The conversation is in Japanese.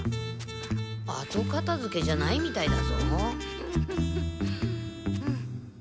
あとかたづけじゃないみたいだぞ。